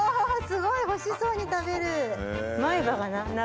すごい欲しそうに食べる。